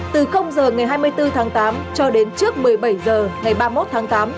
từ h ngày hai mươi bốn tháng tám cho đến trước một mươi bảy h ngày ba mươi một tháng tám